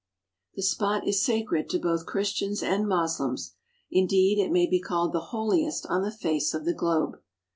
The spot is sacred to both Christians and Moslems. Indeed, it may be called the holiest on the face of the globe.